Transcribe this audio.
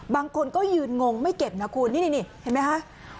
บางคนก็ยืนงงไม่เก็บนะคุณนี่เห็นไหมคะ